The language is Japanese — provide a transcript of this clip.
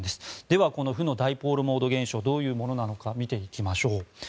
ではこの負のダイポールモード現象どういうものなのか見ていきましょう。